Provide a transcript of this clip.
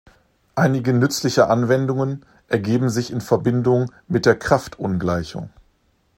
Einige nützliche Anwendungen ergeben sich in Verbindung mit der Kraft-Ungleichung.